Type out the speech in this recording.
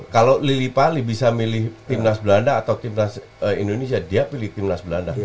kalau lili pali bisa milih timnas belanda atau timnas indonesia dia pilih timnas belanda